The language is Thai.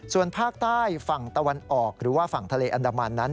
ส่วนภาคใต้ฝั่งตะวันออกหรือว่าฝั่งทะเลอันดามันนั้น